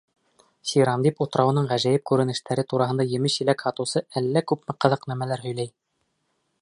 Сирандип утрауының ғәжәйеп күренештәре тураһында емеш-еләк һатыусы әллә күпме ҡыҙыҡ нәмәләр һөйләй.